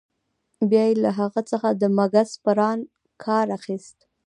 بیا يې له هغه څخه د مګس پران کار اخیست.